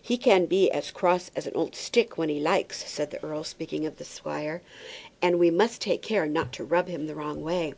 "He can be as cross as an old stick when he likes it," said the earl, speaking of the squire; "and we must take care not to rub him the wrong way."